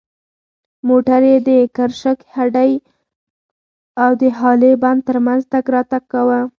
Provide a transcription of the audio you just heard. موټر یې د کرشک هډې او د هالې بند تر منځ تګ راتګ کاوه.